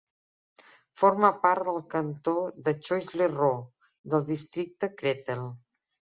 Forma part del cantó de Choisy-le-Roi i del districte de Créteil.